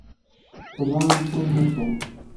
په ځان پوی نه شوم.